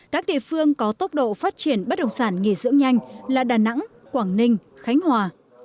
các địa phương có tốc độ phát triển bất động sản nghỉ dưỡng nhanh là đà nẵng quảng ninh khánh hòa